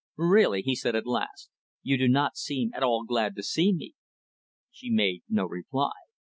"Really," he said, at last, "you do not seem at all glad to see me." She made no reply.